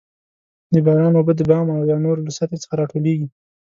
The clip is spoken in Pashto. د باران اوبه د بام او یا نورو له سطحې څخه راټولیږي.